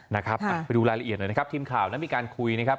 นะครับไปดูรายละเอียดหน่อยนะครับทีมข่าวนั้นมีการคุยนะครับ